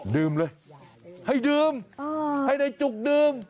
ดื่มเลยให้ดื่มให้นายจุกดื่ม